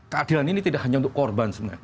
keadilan ini tidak hanya untuk korban sebenarnya